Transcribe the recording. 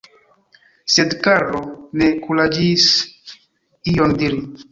Sed Karlo ne kuraĝis ion diri.